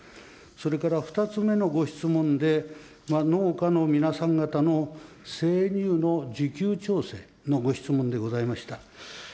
それから２つ目のご質問で、農家の皆さん方の生乳の需給調整のご質問でございました。